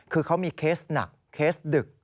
คือเขามีเคสหนักเคสดึก